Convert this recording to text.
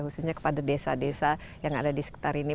khususnya kepada desa desa yang ada di sekitar ini